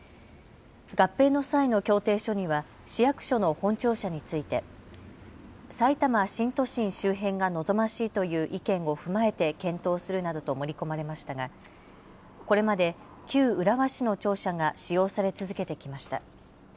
合併の際の協定書には市役所の本庁舎についてさいたま新都心周辺が望ましいという意見をふまえて検討するなどと盛り込まれましたがこれまで旧浦和市の庁舎が使用され続けてきました。